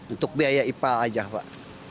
untuk biaya ipal aja pak